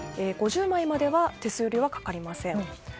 ５０枚までは手数料はかかりません。